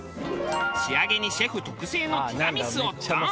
仕上げにシェフ特製のティラミスをチョン。